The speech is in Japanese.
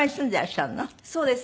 そうです。